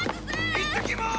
いってきます！